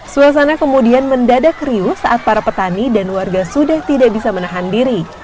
suasana kemudian mendadak riuh saat para petani dan warga sudah tidak bisa menahan diri